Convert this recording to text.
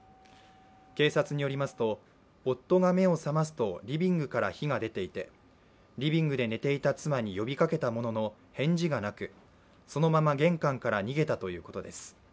警察によりますと夫が目を覚ますとリビングから火が出ていてリビングで寝ていた妻に呼びかけたものの返事がなく、そのまま玄関から逃げたということです。